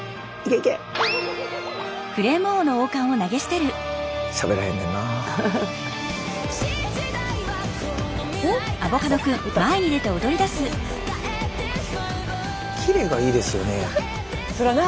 キレがいいですよね。